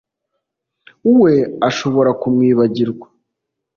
We ashobora kumwibagirwa